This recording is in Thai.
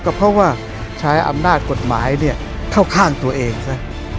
ก็เพราะว่าใช้อำนาจกฎหมายเข้าข้างตัวเองซะ